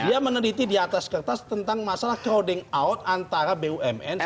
dia meneliti di atas kertas tentang masalah crowding out antara bumn